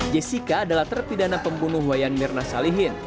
jessica adalah terpidana pembunuh wayan mirna salihin